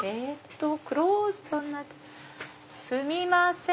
クローズドにすみません。